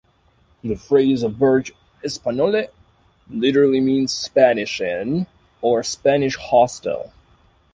The phrase "auberge espagnole" literally means "Spanish inn" or "Spanish hostel".